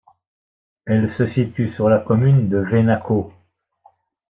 Elle se situe sur la commune de Venaco.